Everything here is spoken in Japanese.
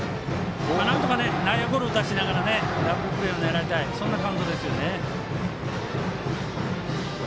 なんとか内野ゴロを打たせながらダブルプレーを狙いたいカウントですね。